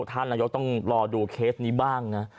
ท่านนายกต้องรอดูเคสนี้บ้างนะ